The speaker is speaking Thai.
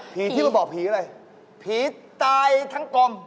ที่มาบอกผีอะไรผีตายทั้งกลม